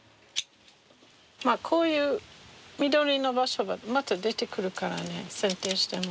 こういう緑の場所がまた出てくるからね剪定しても。